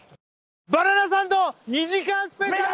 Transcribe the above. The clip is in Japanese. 「バナナサンド２時間スペシャル」！